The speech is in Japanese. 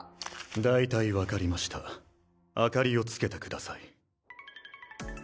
大体分かりました明かりをつけてください